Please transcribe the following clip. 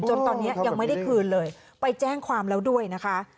จนตอนนี้ยังไม่ได้คืนเลยไปแจ้งความแล้วด้วยนะคะ